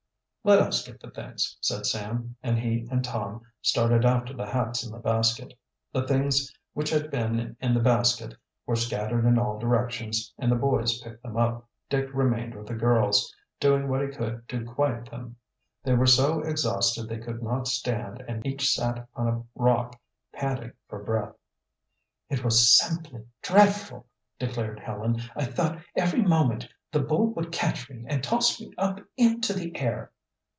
"Let us get the things," said Sam, and he and Tom started after the hats and the basket. The things which had been in the basket were scattered in all directions, and the boys picked them up. Dick remained with the girls, doing what he could to quiet them. They were so exhausted they could not stand and each sat on a rock panting for breath. "It was simply dreadful!" declared Helen. "I thought every moment the bull would catch me and toss me up into the air."